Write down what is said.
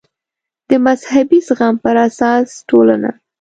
د مذهبي زغم پر اساس ټولنه